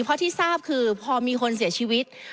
เพราะที่ทราบคือพอมีคนเสียชีวิต